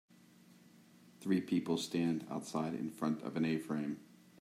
Three people stand outside in front of an Aframe.